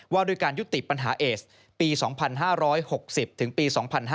ว่าด้วยการยุติปัญหาเอสปี๒๕๖๐ถึงปี๒๕๕๙